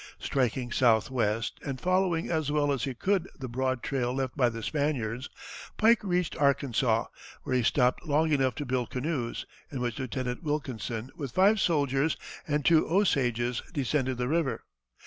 Striking southwest, and following as well as he could the broad trail left by the Spaniards, Pike reached Arkansas, where he stopped long enough to build canoes, in which Lieutenant Wilkinson with five soldiers and two Osages descended the river.